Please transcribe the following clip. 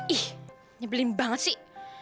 ih nyebelin banget sih